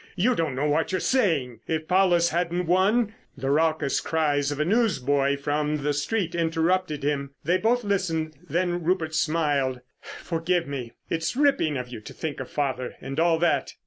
"You don't know what you're saying. If Paulus hadn't won!" The raucous cries of a newsboy from the street interrupted him. They both listened, then Rupert smiled. "Forgive me, it's ripping of you to think of father and all that.